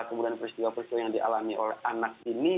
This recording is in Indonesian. kemudian peristiwa peristiwa yang dialami oleh anak ini